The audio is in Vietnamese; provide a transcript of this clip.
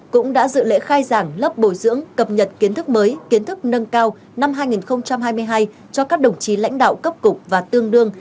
cũng đã dự lễ khai giảng lớp bồi dưỡng cập nhật kiến thức mới kiến thức nâng cao năm hai nghìn hai mươi hai cho các đồng chí lãnh đạo cấp cục và tương đương